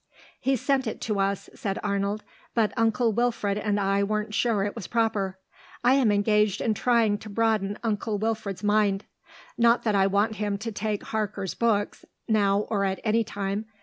"He sent it to us," said Arnold, "but Uncle Wilfred and I weren't sure it was proper. I am engaged in trying to broaden Uncle Wilfred's mind. Not that I want him to take Harker's books, now or at any time....